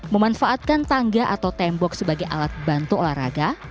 memanfaatkan tangga atau tembok sebagai alat bantu olahraga